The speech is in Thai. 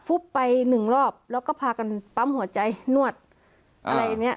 ฟุ๊บไปหนึ่งรอบแล้วก็พากันปั๊มหัวใจนวดอะไรเนี้ย